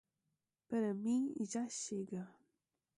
Para mim já chega!